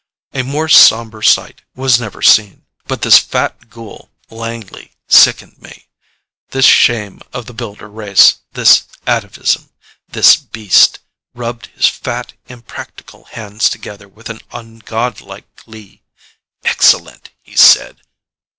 A more sombre sight was never seen. But this fat ghoul, Langley, sickened me. This shame of the Builder race, this atavism this beast rubbed his fat, impractical hands together with an ungod like glee. "Excellent," he said.